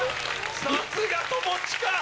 さすが友近！